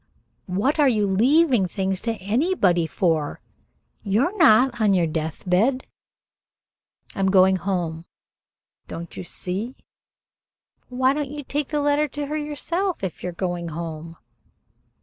What are you leaving things to anybody for? You're not on your deathbed." "I'm going home, don't you see?" "But why don't you take the letter to her yourself if you're going home?"